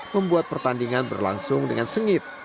membuat pertandingan berlangsung dengan sengit